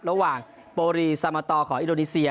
ระหว่างโปรีซามาตอของอินโดนีเซีย